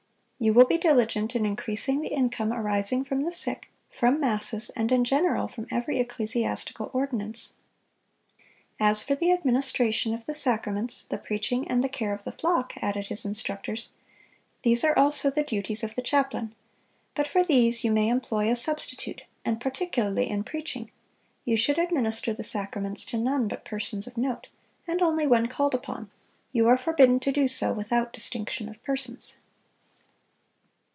You will be diligent in increasing the income arising from the sick, from masses, and in general from every ecclesiastical ordinance." "As for the administration of the sacraments, the preaching, and the care of the flock," added his instructors, "these are also the duties of the chaplain. But for these you may employ a substitute, and particularly in preaching. You should administer the sacraments to none but persons of note, and only when called upon; you are forbidden to do so without distinction of persons."